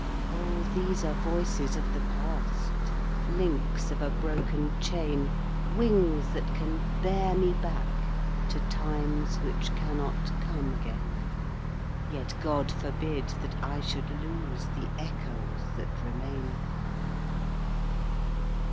Oh, these are Voices of the Past, Links of a broken chain, Wings that can bear me back to Times Which cannot come again Yet God forbid that I should lose The echoes that remain!